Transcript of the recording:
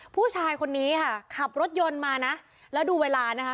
ผู้ชายคนนี้ค่ะขับรถยนต์มานะแล้วดูเวลานะคะ